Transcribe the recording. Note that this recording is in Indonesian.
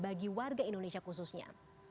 bagi warga indonesia khususnya